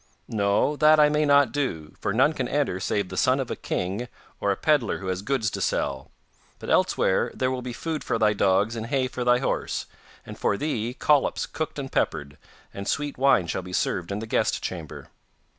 'No, that I may not do, for none can enter save the son of a king or a pedlar who has goods to sell. But elsewhere there will be food for thy dogs and hay for thy horse, and for thee collops cooked and peppered, and sweet wine shall be served in the guest chamber.